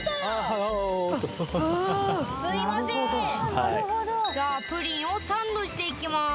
はいじゃあプリンをサンドしていきます